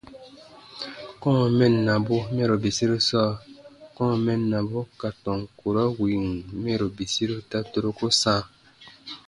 Kɔ̃ɔ mɛnnabu mɛro bisiru sɔɔ : kɔ̃ɔ mɛnnabu ka tɔn kurɔ wìn mɛro bisiru ta turuku sãa.